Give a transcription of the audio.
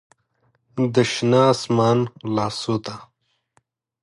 د شنه اسمان لاسو ته